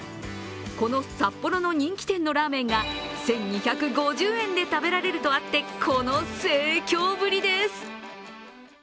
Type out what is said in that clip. この札幌の人気店のラーメンが１２５０円で食べられるとあってこの盛況ぶりです。